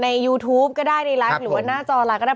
ยูทูปก็ได้ในไลฟ์หรือว่าหน้าจอไลน์ก็ได้